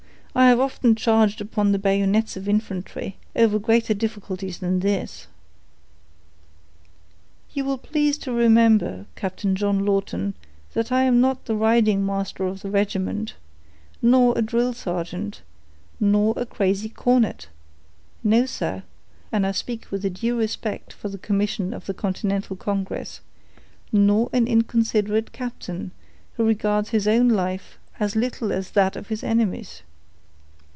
I have often charged upon the bayonets of infantry, over greater difficulties than this." "You will please to remember, Captain John Lawton, that I am not the riding master of the regiment—nor a drill sergeant—nor a crazy cornet; no, sir—and I speak it with a due respect for the commission of the Continental Congress—nor an inconsiderate captain, who regards his own life as little as that of his enemies.